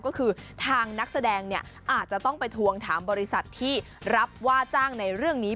ก็คือทางนักแสดงเนี่ยอาจจะต้องไปทวงถามบริษัทที่รับว่าจ้างในเรื่องนี้